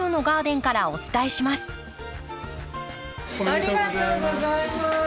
ありがとうございます。